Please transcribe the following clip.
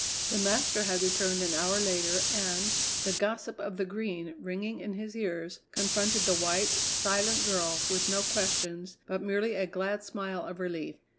The master had returned an hour later and, the gossip of the Green ringing in his ears, confronted the white, silent girl with no questions, but merely a glad smile of relief.